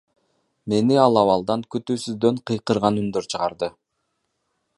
Мени ал абалдан күтүүсүздөн кыйкырган үндөр чыгарды.